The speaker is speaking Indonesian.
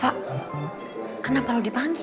pak kenapa lo dipanggil